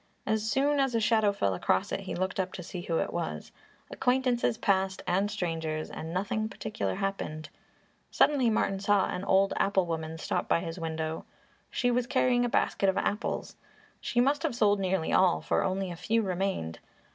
As soon as a shadow fell across it, he looked up to see who it was. Acquaintances passed and strangers, and nothing particular happened. Suddenly Martin saw an old apple woman stop by his window. She was carrying a basket of apples. She must have sold nearly all, for only a few remained.